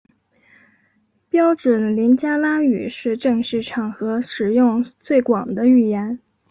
标准林加拉语是正式场合使用最广的语言。